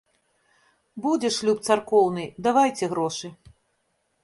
Будзе шлюб царкоўны, давайце грошы.